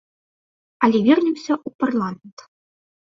Але вернемся ў парламент.